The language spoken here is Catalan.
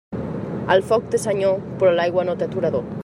El foc té senyor, però l'aigua no té aturador.